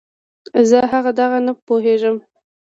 زه هغه دغه نه پوهېږم.